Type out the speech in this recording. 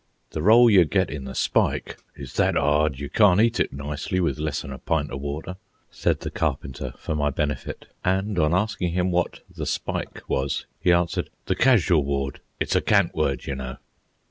"The roll you get in the 'spike' is that 'ard you can't eat it nicely with less'n a pint of water," said the Carpenter, for my benefit. And, on asking him what the "spike" was, he answered, "The casual ward. It's a cant word, you know."